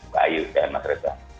mbak ayu dan mas reza